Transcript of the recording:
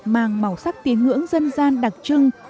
mang màu sắc tiếng ngưỡng dân gian đặc trưng